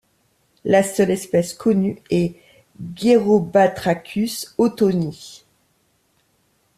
La seule espèce connue est Gerobatrachus hottoni.